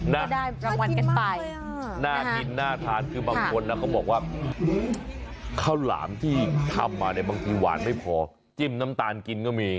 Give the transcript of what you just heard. ได้รางวัลกันไปน่ากินน่าทานคือบางคนนะเขาบอกว่าข้าวหลามที่ทำมาเนี่ยบางทีหวานไม่พอจิ้มน้ำตาลกินก็มี